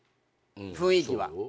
雰囲気は。